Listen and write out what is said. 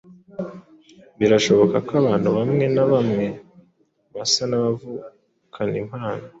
Birashoboka ko abantu bamwe na bamwe basa n’abavukana impano